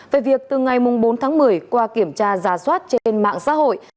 về việc từ ngày bốn tháng một mươi qua kiểm tra giả soát trên mạng xã hội